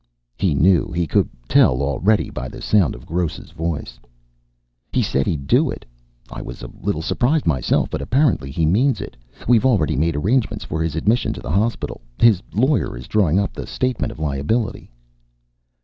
He knew; he could tell already, by the sound of Gross' voice. "He said he'd do it. I was a little surprised myself, but apparently he means it. We've already made arrangements for his admission to the hospital. His lawyer is drawing up the statement of liability."